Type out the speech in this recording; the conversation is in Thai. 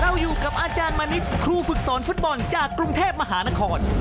อยู่กับอาจารย์มณิชย์ครูฝึกสอนฟุตบอลจากกรุงเทพมหานคร